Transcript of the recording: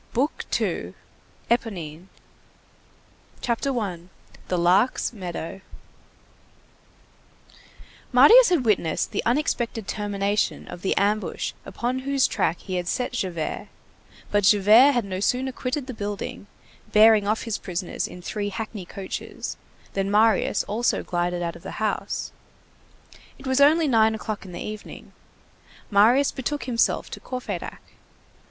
BOOK SECOND—ÉPONINE CHAPTER I—THE LARK'S MEADOW Marius had witnessed the unexpected termination of the ambush upon whose track he had set Javert; but Javert had no sooner quitted the building, bearing off his prisoners in three hackney coaches, than Marius also glided out of the house. It was only nine o'clock in the evening. Marius betook himself to Courfeyrac.